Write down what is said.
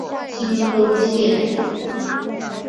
金沟线